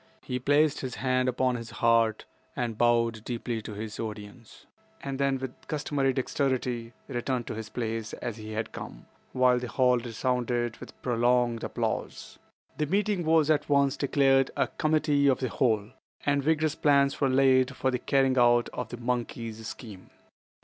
He placed his hand upon his heart and bowed deeply to his audience, then, with customary dexterity, returned to his place as he had come, while the hall resounded with prolonged applause. The meeting was at once declared a "Committee of the Whole," and vigorous plans were laid for the carrying out of the monkey's scheme.